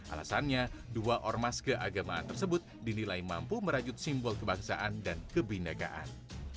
alasannya dua ormas keagamaan tersebut dinilai mampu merajut simbol kebangsaan dan kebindakaan